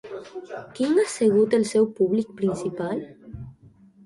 Quin ha sigut el seu públic principal?